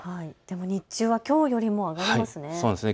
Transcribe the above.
日中はきょうよりも上がりますね。